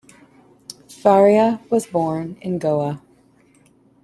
Faria was born in Goa.